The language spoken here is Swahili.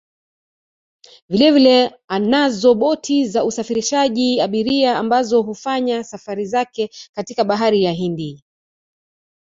Vilevile anazo boti za usafirishaji abiria ambazo hufanya safari zake katika Bahari ya Hindi